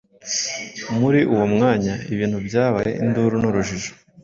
Muri uwo mwanya ibintu byabaye induru n’urujijo.